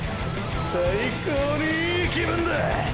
最高にいい気分だァ！！